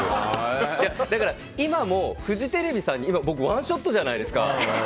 だから、フジテレビさんに今、ワンショットじゃないですか。